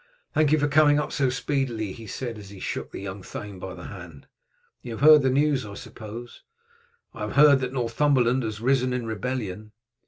"Thank you for coming up so speedily," he said as he shook the young thane by the hand. "You have heard the news, I suppose?" "I have heard that Northumberland has risen in rebellion."